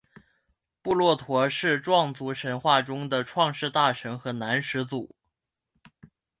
布洛陀是壮族神话中的创世大神和男始祖。